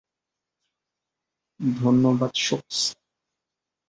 ধন্যবাদ, সোকস।